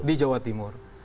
di jawa timur